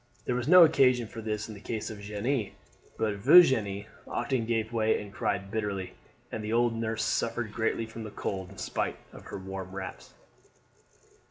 There was no occasion for this in the case of Jeanne, but Virginie often gave way and cried bitterly, and the old nurse suffered greatly from the cold in spite of her warm wraps.